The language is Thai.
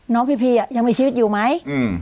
น้องพี่พียังมีชีวิตอยู่ไหม